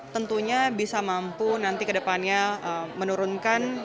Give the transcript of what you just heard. tentunya bisa mampu nanti ke depannya menurunkan